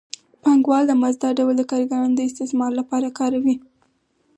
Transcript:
پانګوال د مزد دا ډول د کارګرانو د استثمار لپاره کاروي